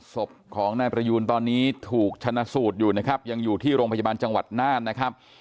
ศพของนายประยูนตอนนี้ถูกชนะสูตรอยู่นะครับยังอยู่ที่โรงพยาบาลจังหวัดน่านนะครับ